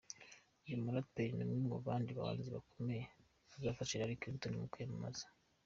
Uyu muraperi ni umwe mu bandi bahanzi bakomeye bazafasha Hillary Clinton mu kwiyamamaza.